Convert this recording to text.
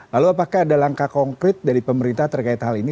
lalu apakah ada langkah konkret dari pemerintah terkait hal ini